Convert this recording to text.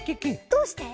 どうして？